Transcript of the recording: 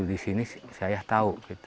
di sini saya tahu